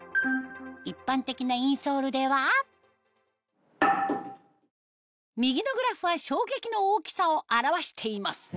一般的なインソールでは右のグラフは衝撃の大きさを表しています